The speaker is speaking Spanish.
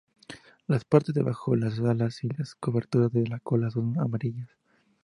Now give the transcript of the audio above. Las partes bajo las alas y las coberteras de la cola son amarillas.